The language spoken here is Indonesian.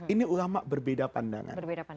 ini ulama berbeda pandangan